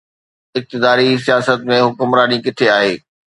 اقتداري سياست ۾ حڪمراني ڪٿي آهي؟